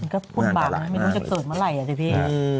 มันก็พุนบังไม่ต้องจะเกิดเมื่อไหร่อ่ะสิพี่